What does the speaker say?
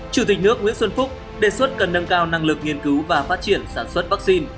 chủ tịch nước nguyễn xuân phúc đề xuất cần nâng cao năng lực nghiên cứu và phát triển sản xuất vaccine